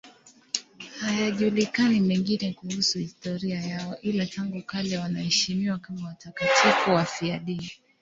Hayajulikani mengine kuhusu historia yao, ila tangu kale wanaheshimiwa kama watakatifu wafiadini.